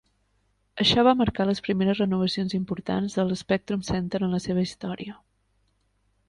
Això va marcar les primeres renovacions importants del Spectrum Center en la seva història.